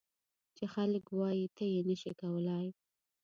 چې خلک وایي ته یې نه شې کولای.